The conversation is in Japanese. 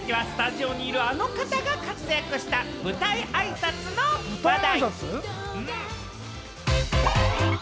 続いてはスタジオにいる、あの方が活躍した舞台あいさつの話題！